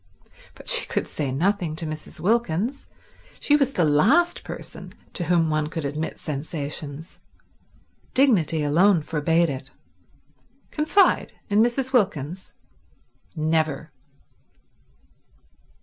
But she could say nothing to Mrs. Wilkins. She was the last person to whom one would admit sensations. Dignity alone forbade it. Confide in Mrs. Wilkins? Never.